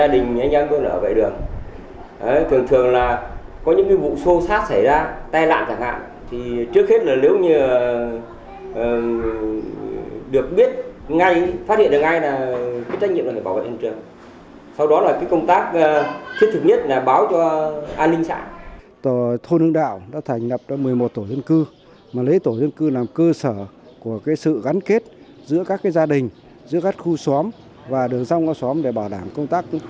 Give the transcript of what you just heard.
đã thành nhập một mươi một tổ dân cư mà lấy tổ dân cư làm cơ sở của sự gắn kết giữa các gia đình giữa các khu xóm và đường dòng của xóm để bảo đảm công tác